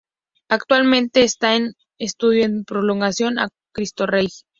Actualmente, está en estudio su prolongación a Cristo Rey.